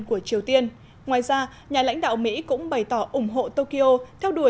của triều tiên ngoài ra nhà lãnh đạo mỹ cũng bày tỏ ủng hộ tokyo theo đuổi